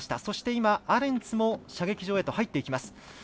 そして、アレンツも射撃場へと入っていきます。